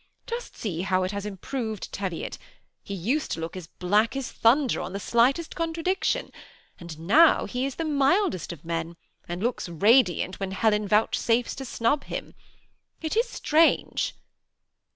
Just see how it has improved Teviot: he used to look as black as thunder on the slightest contradiction, and now he is the mildest of men, and looks radiant when Helen vouch safes to snub him. It is strange."